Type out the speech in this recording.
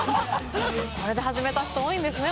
これで始めた人多いんですね